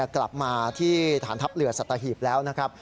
กลับมาที่ฐานทัพเรือสัตหีบแล้วนะครับ